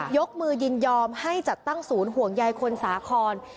ยกมือยินยอมให้จัดตั้งศูนย์ห่วงใยคนสาคร